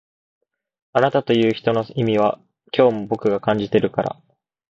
あなたという人の意味は今日も僕が感じてるから